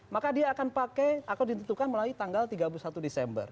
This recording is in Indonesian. maka dia akan pakai atau ditentukan melalui tanggal tiga puluh satu desember